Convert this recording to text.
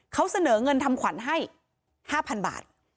เขาเสนอเงินทำขวัญให้๕๐๐๐บาท